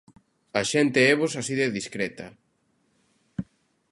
A xente évos así de discreta.